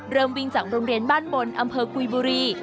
วิ่งจากโรงเรียนบ้านบนอำเภอกุยบุรี